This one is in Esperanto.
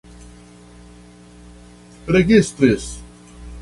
registris